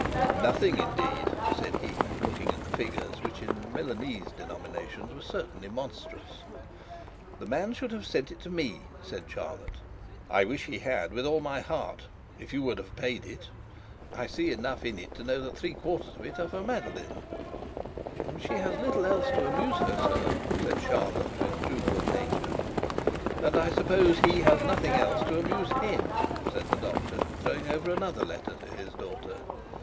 'Nothing, indeed!' said he, looking at the figures, which in Milanese denominations were certainly monstrous. 'The man should have sent it to me,' said Charlotte. 'I wish he had with all my heart if you would have paid it. I see enough in it, to know that three quarters of it are for Madeline.' 'She has little else to amuse her, sir,' said Charlotte with true good nature. 'And I suppose he has nothing to amuse him,' said the doctor, throwing over another letter to his daughter.